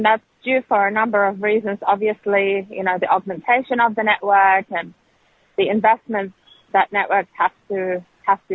tapi itu membutuhkan keberanian dan kami membutuhkan reformasi